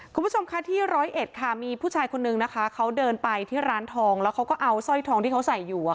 คุณผู้ชมค่ะที่ร้อยเอ็ดค่ะมีผู้ชายคนนึงนะคะเขาเดินไปที่ร้านทองแล้วเขาก็เอาสร้อยทองที่เขาใส่อยู่